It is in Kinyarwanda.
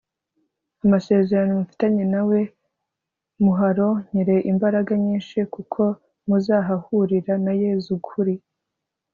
amasezerano mufitanye nawe; muharonkere imbaraga nyinshi kuko muzahahurira na yezu kuri